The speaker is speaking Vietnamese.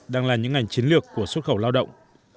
đang là những ngành chiến lược của xuất khẩu lao động